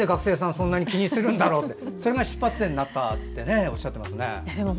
そんなに気にするんだろうってそれが出発点になったとおっしゃってますね。